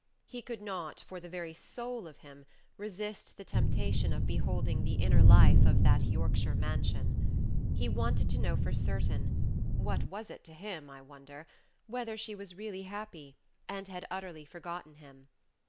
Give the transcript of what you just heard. He could not, for the very soul of him, resist the temptation of beholding the inner life of that Yorkshire mansion. He wanted to know for certain what was it to him, I wonder whether she was really happy, and had utterly forgotten him.